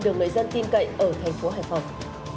đường lợi dân tin cậy ở thành phố hải phòng